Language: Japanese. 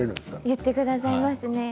言ってくださいますね。